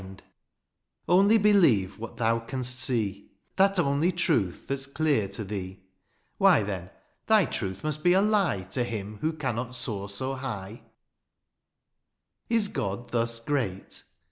24 DIONYSIUS, (C Only believe what thou canst see^ —'' That only truth that's clear to thee. '^ Why then, thy truth must be a lie '^To him who cannot soar so high. ^^ Is God thus great